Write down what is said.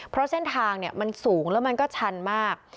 เพราะเส้นทางมันสูงแล้วมันก็ชันมาก